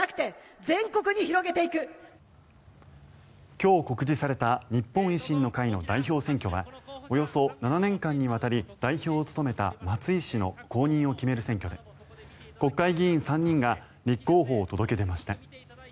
今日、告示された日本維新の会の代表選挙はおよそ７年間にわたり代表を務めた松井氏の後任を決める選挙で国会議員３人が立候補を届け出ました。